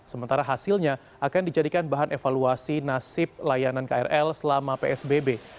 sementara hasilnya akan dijadikan bahan evaluasi nasib layanan krl selama psbb